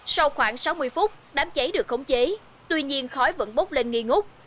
sau khoảng sáu mươi phút đám cháy được khống chế tuy nhiên khói vẫn bốc lên nghi ngút